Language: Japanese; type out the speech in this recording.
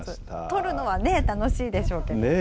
取るのは楽しいでしょうけど。